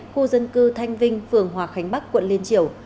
khu dân cư thanh vinh phường hòa khánh bắc quận liên triều